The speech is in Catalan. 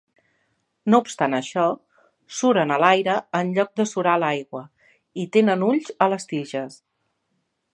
No obstant això, suren a l'aire en lloc de surar a l'aigua, i tenen ulls a les tiges.